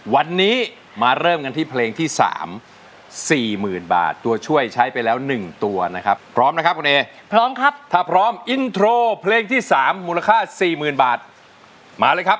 วันนี้มาเริ่มกันที่เพลงที่๓๔๐๐๐บาทตัวช่วยใช้ไปแล้ว๑ตัวนะครับพร้อมนะครับคุณเอพร้อมครับถ้าพร้อมอินโทรเพลงที่๓มูลค่า๔๐๐๐บาทมาเลยครับ